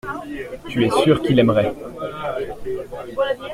Tu es sûr qu’il aimerait.